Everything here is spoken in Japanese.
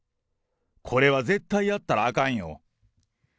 これは絶対やったらあかんよー。